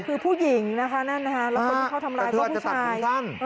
คือผู้หญิงนะคะนั่นนะคะแล้วคนที่เขาทำร้ายก็ผู้ชาย